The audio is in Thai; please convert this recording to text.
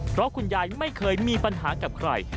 เพราะคุณยายไม่เคยมีปัญหากับใคร